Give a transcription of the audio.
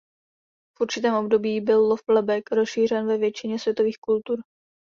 V určitém období byl lov lebek rozšířen ve většině světových kultur.